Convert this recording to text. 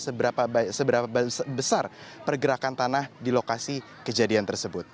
seberapa besar pergerakan tanah di lokasi kejadian tersebut